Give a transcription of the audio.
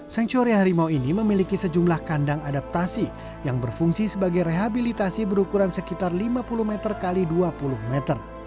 sancture harimau ini memiliki sejumlah kandang adaptasi yang berfungsi sebagai rehabilitasi berukuran sekitar lima puluh meter x dua puluh meter